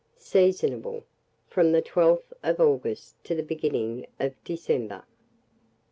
Seasonable from the 12th of August to the beginning of December.